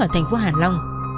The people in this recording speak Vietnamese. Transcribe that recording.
ở thành phố hàn long